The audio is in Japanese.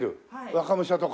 若武者とか。